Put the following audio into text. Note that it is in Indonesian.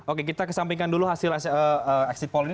oke kita kesampingkan dulu hasil exit poll ini